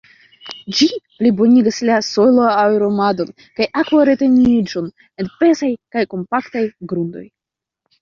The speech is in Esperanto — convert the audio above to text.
Ĝi plibonigas la sojlo-aerumadon kaj akvo-reteniĝon en pezaj kaj kompaktaj grundoj.